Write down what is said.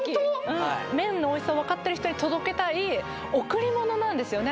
はい麺のおいしさを分かってる人に届けたい贈り物なんですよね